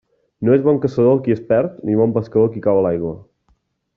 No és bon caçador el qui es perd ni bon pescador el qui cau a l'aigua.